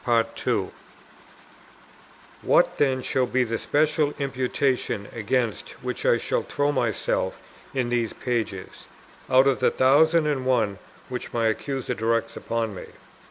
What then shall be the special imputation, against which I shall throw myself in these pages, out of the thousand and one which my Accuser directs upon me?